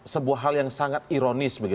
sebuah hal yang sangat ironis